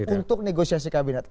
untuk negosiasi kabinet